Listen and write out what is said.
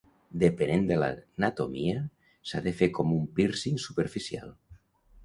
Depenent de l'anatomia, s'ha de fer com un pírcing superficial.